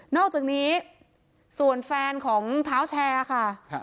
อกจากนี้ส่วนแฟนของเท้าแชร์ค่ะ